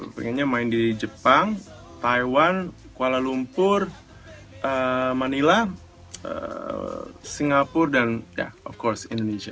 pengennya main di jepang taiwan kuala lumpur manila singapura dan ya tentu saja indonesia